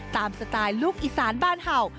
ตามสไตล์ลูกอีซานบ้านเผ่าน